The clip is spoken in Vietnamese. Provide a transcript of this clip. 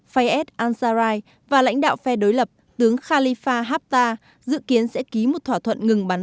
fayyad ansaray và lãnh đạo phe đối lập tướng khalifa haftar dự kiến sẽ ký một thỏa thuận ngừng bắn